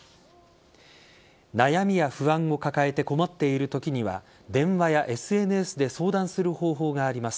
悩みや不安を抱えて困っているときには電話やＳＮＳで相談する方法があります。